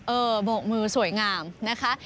โบกมือสวยงามนะคะ